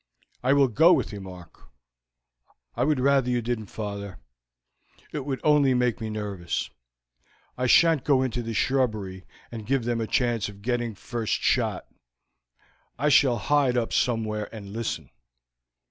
"I will go with you, Mark." "I would rather you didn't, father; it would only make me nervous. I shan't go into the shrubbery and give them a chance of getting first shot. I shall hide up somewhere and listen.